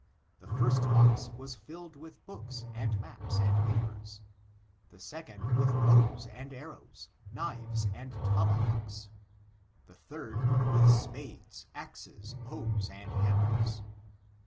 The first box was filled with books and maps and papers; the second, with bows and arr^tosj knives and tomahawks; the third, with spades, axes, hoes and hammers.